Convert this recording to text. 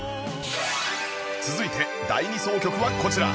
続いて第２走曲はこちら